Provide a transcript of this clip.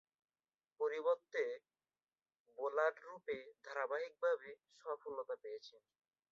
পরিবর্তিত বোলাররূপে ধারাবাহিকভাবে সফলতা পেয়েছেন।